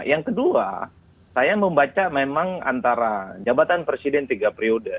yang kedua saya membaca memang antara jabatan presiden tiga periode